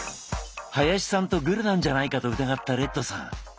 林さんとグルなんじゃないかと疑ったレッドさん。